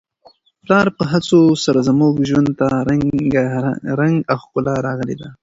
د پلار په هڅو سره زموږ ژوند ته رنګ او ښکلا راغلې ده.